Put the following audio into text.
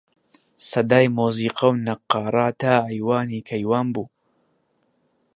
سەدای مۆزیقە و نەققارە تا ئەیوانی کەیوان بوو